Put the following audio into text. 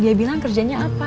dia bilang kerjanya apa